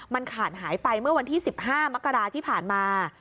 มันขาดหายไปเมื่อวันที่๑๕มกราที่ผ่านมา